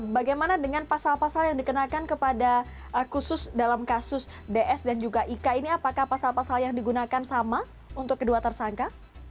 bagaimana dengan pasal pasal yang dikenakan kepada khusus dalam kasus ds dan juga ika ini apakah pasal pasal yang digunakan sama untuk kedua tersangka